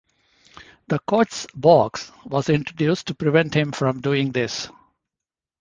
The coach's box was introduced to prevent him from doing this.